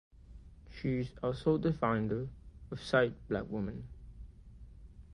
She is also the founder of Cite Black Women.